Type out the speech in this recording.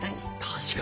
確かに。